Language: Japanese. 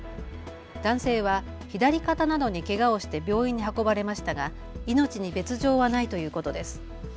男性は左肩などにけがをして病院に運ばれましたが命に別状はないということです。